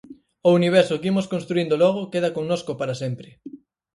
O universo que imos construíndo logo queda connosco para sempre.